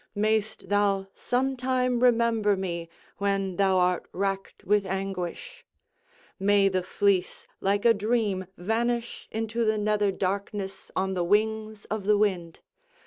Mayst thou some time remember me when thou art racked with anguish; may the fleece like a dream vanish into the nether darkness on the wings of the wind!